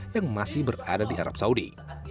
yang masih berada di arab saudi